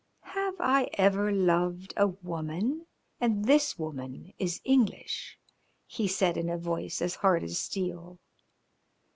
"Have I ever loved a woman? And this woman is English," he said in a voice as hard as steel.